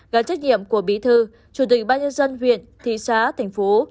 gắn trách nhiệm của bí thư chủ tịch ban nhân dân huyện thị xá thành phố